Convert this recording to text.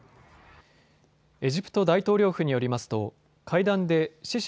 エジプト大統領府によりますと会談でシシ